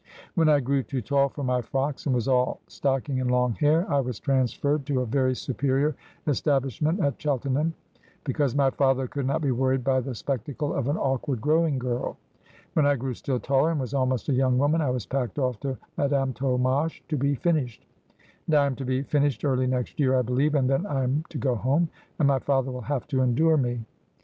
When I grew too tall for my frocks, and was all stocking and long hair, I was transferred to a very superior establishment at Chelten ham, because my father could not be worried by the spectacle of an awkward growing girl. When I grew still taller, and was almost a young woman, I was packed off to Madame Tolmache to be finished ; and I am to be finished early next year, I believe, and then I am to go home, and my father will have to endure me.'